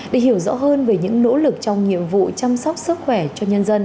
để hiểu rõ hơn về những nỗ lực trong nhiệm vụ chăm sóc sức khỏe cho nhân dân